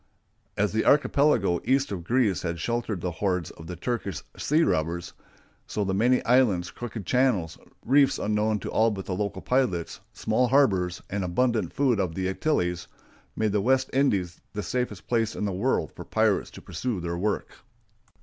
As the archipelago east of Greece had sheltered the hordes of the Turkish sea robbers, so the many islands, crooked channels, reefs unknown to all but the local pilots, small harbors, and abundant food of the Antilles, made the West Indies the safest place in the world for pirates to pursue their work.